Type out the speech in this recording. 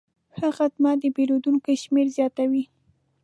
ښه خدمت د پیرودونکو شمېر زیاتوي.